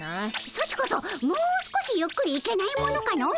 ソチこそもう少しゆっくり行けないものかの？